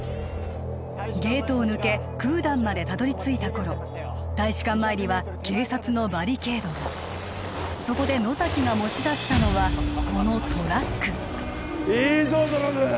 ゲートを抜けクーダンまでたどりついた頃大使館前には警察のバリケードがそこで野崎が持ち出したのはこのトラックいいぞドラム！